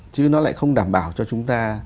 chứ nó lại không đảm bảo cho chúng ta